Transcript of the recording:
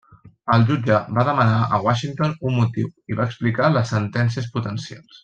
El jutge va demanar a Washington un motiu, i va explicar les sentències potencials.